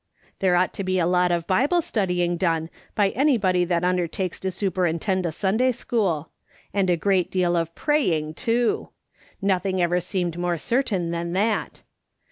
There ought to be a lot of Bible studying done by anybody that undertakes to superintend a Sun day school ; and a great deal of praying, too. Nothing ever seemed more certain than that.